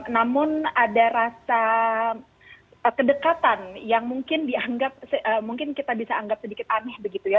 namun ada rasa kedekatan yang mungkin dianggap mungkin kita bisa anggap sedikit aneh begitu ya